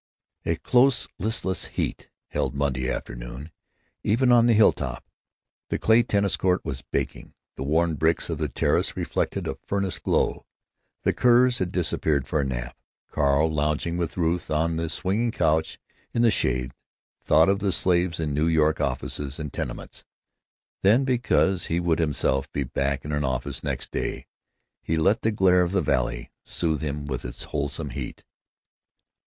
A close, listless heat held Monday afternoon, even on the hilltop. The clay tennis court was baking; the worn bricks of the terrace reflected a furnace glow. The Kerrs had disappeared for a nap. Carl, lounging with Ruth on the swinging couch in the shade, thought of the slaves in New York offices and tenements. Then, because he would himself be back in an office next day, he let the glare of the valley soothe him with its wholesome heat.